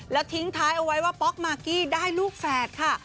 แล้วทิ้งท้ายเอาไว้ว่าป๊อกมากกี้ได้ลูกแฝดค่ะ